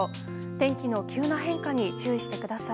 天気の急な変化に注意してください。